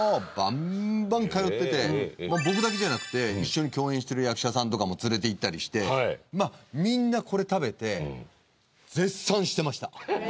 僕だけじゃなくて一緒に共演してる役者さんとかも連れていったりしてまぁみんなこれ食べて絶賛してました！